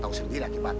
tahu sendiri lagi pak